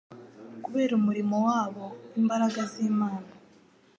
Kubera umurimo wabo imbaraga z'Imana